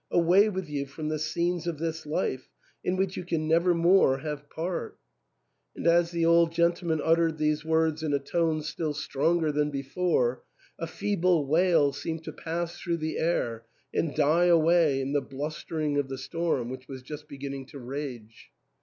Away with you from the scenes of this life, in which you can never 234 THE ENTAIL. more have part" And as the old gentleman uttered these words in a tone still stronger than before, a feeble wail seemed to pass through the air and die away in the blustering of the storm, which was just beginning to rage.